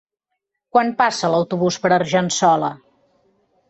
Quan passa l'autobús per Argençola?